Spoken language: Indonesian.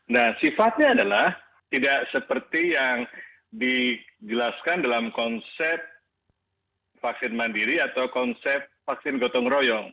nah sifatnya adalah tidak seperti yang dijelaskan dalam konsep vaksin mandiri atau konsep vaksin gotong royong